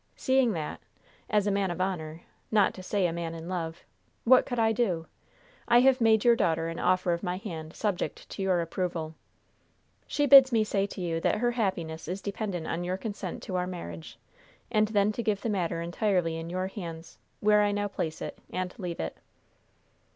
Seeing that as a man of honor, not to say a man in love what could I do? I have made your daughter an offer of my hand, subject to your approval. She bids me say to you that her happiness is dependent on your consent to our marriage, and then to give the matter entirely in your hands, where I now place it, and leave it."